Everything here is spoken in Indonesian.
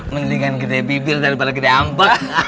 mendingan gede bibir daripada gede ambak